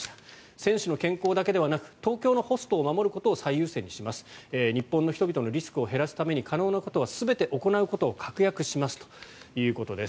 選手の健康だけではなく東京のホストを守ることを最優先にします日本の人々のリスクを減らすために、可能なことは全て行うことを確約しますということです。